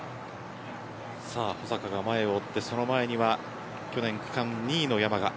保坂が前を追ってその前には去年区間２位の山賀。